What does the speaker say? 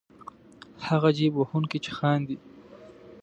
هغه جېب وهونکی چې خاندي.